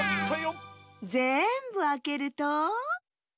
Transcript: ぜんぶあけると？